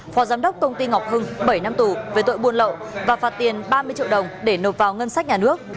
phó giám đốc công ty ngọc hưng bảy năm tù về tội buôn lậu